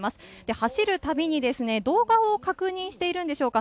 走るたびに向う側を確認してるんでしょうか？